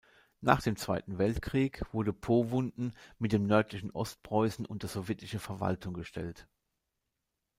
Nach dem Zweiten Weltkrieg wurde Powunden mit dem nördlichen Ostpreußen unter sowjetische Verwaltung gestellt.